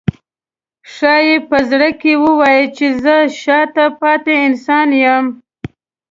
ښایي په زړه کې ووایي چې زه شاته پاتې انسان یم.